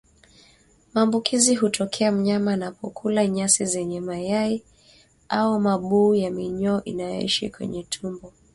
Maambukizi hutokea mnyama anapokula nyasi zenye mayai au mabuu ya minyoo inayoishi kwenye utumbo